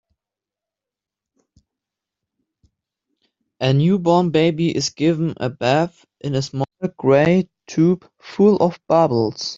A newborn baby is given a bath in a small gray tub full of bubbles.